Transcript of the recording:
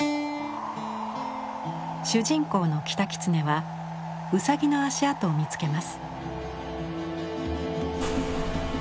主人公のキタキツネはウサギの足跡を見つけます。